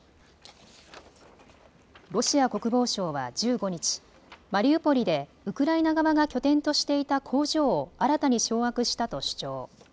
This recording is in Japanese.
ロシア国防省は１５日、マリウポリでウクライナ側が拠点としていた工場を新たに掌握したと主張。